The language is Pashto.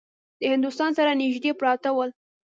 د هندوستان سره نیژدې پراته ول.